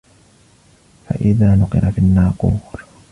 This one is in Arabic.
فَإِذَا نُقِرَ فِي النَّاقُورِ